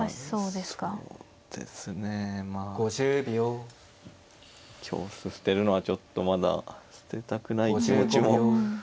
そうですねまあ香捨てるのはちょっとまだ捨てたくない気持ちも。